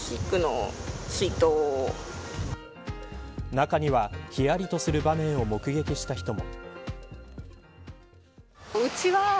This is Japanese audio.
中にはひやりとする場面を目撃した人も。